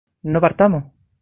¿no partamos?